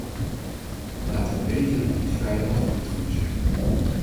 Laat het betere niet de vijand van het goede zijn.